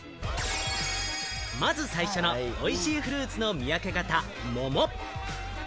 まず最初のおいしいフルーツの見分け方、桃。